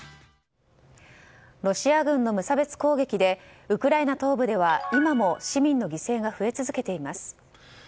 ロシア軍の無差別攻撃でウクライナ東部では今も市民の犠牲が増え続けています。